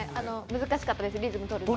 難しかったです、リズムとるのが。